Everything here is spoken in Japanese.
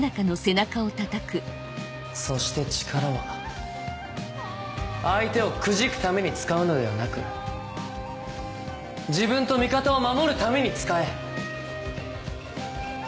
そして力は相手をくじくために使うのではなく自分と味方を守るために使え！